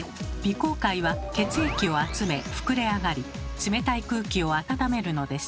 甲介は血液を集め膨れ上がり冷たい空気を温めるのです。